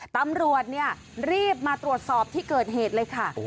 ตำรวจเนี่ยรีบมาตรวจสอบที่เกิดเหตุเลยค่ะ